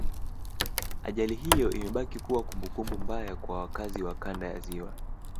Ajali hiyo imebaki kuwa kumbukumbu mbaya kwa wakazi wa Kanda ya Ziwa